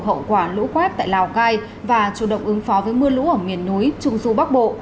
hậu quả lũ quét tại lào cai và chủ động ứng phó với mưa lũ ở miền núi trung su bắc bộ